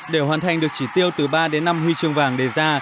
để hoàn thành được chỉ tiêu từ ba đến năm huy chương vàng đề ra